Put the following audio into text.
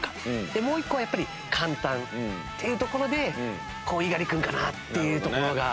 でもう一個はやっぱり簡単っていうところで猪狩君かなっていうところが。